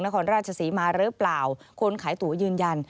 นครราชศรีมาหรือเปล่าคนขายตัวยืนยัน